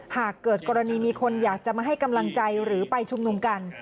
หากเกิดกรณีมีคนอยากจะมาให้กำลังใจหรือไปชุมนุมกัน